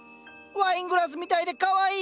ワイングラスみたいでかわいい。